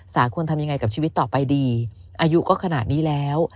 ควรทำยังไงกับชีวิตต่อไปดีอายุก็ขนาดนี้แล้ว